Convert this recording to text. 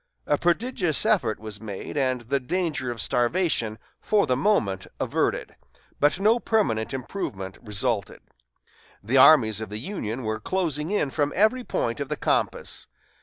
A prodigious effort was made, and the danger of starvation for the moment averted, but no permanent improvement resulted. The armies of the Union were closing in from every point of the compass.